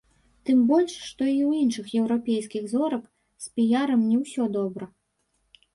Тым больш, што і ў іншых еўрапейскіх зорак з піярам не ўсё добра.